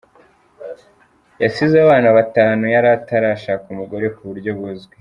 Yasize abana batanu, yari atarashaka umugore mu buryo buzwi.